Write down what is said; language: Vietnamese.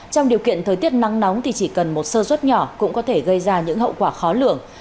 trong điều kiện thời tiết nắng nóng thì chỉ cần một sơ suất nhỏ cũng có thể gây ra những hậu quả khó lượng